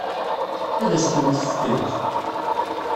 Ad as-tent-tefkemt?